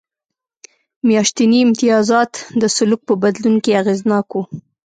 میاشتني امتیازات د سلوک په بدلون کې اغېزناک و.